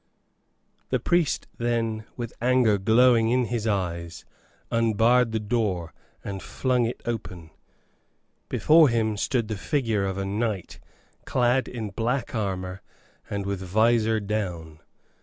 The priest then, with anger glowing in his eyes, unbarred the door, and flung it open. Before him stood the figure of a knight, clad in black armor and with vizor down.